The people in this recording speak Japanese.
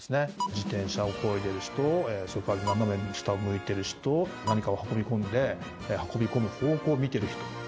自転車をこいでる人それから斜め下を向いてる人何かを運び込んで運び込む方向を見てる人。